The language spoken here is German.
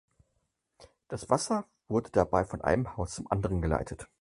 Das Wasser wurde dabei von einem Haus zum anderen geleitet.